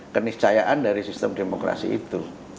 keniscayaan dari sistem demokrasi itu